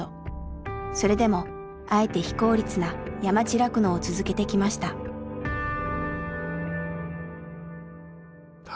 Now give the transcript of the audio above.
それでもあえて非効率な山地酪農を続けてきました。